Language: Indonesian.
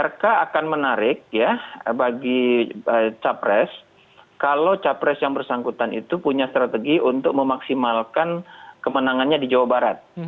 rk akan menarik ya bagi capres kalau capres yang bersangkutan itu punya strategi untuk memaksimalkan kemenangannya di jawa barat